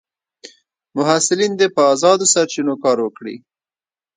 محصلین دي په ازادو سرچینو کار وکړي.